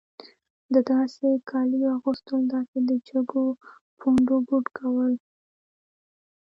د داسې کالیو اغوستل داسې د جګو پوندو بوټ کول.